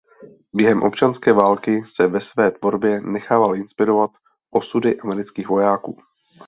Během občanské války se ve své tvorbě nechával inspirovat osudy amerických vojáků.